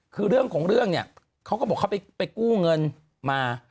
คือเรื่องของเรื่องเนี่ยเขาก็บอกเขาไปกู้เงินมา